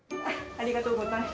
ありがとうございます。